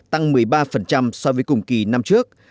tăng một mươi ba so với cùng kỳ năm trước